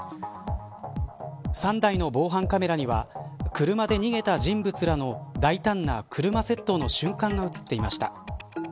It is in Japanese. ３台の防犯カメラには車で逃げた人物らの大胆な車窃盗の瞬間が映っていました。